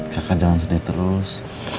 kakak jangan sedih terus